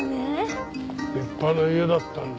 立派な家だったんだ。